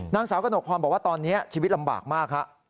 นางสาวกระหนกพรบอกว่าตอนนี้ชีวิตลำบากมากฮะ